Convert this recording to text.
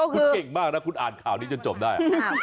คุณเก่งมากนะคุณอ่านข่าวนี้จนจบได้